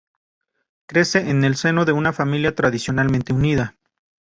Crece en el seno de una familia tradicionalmente unida.